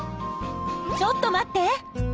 ちょっと待って。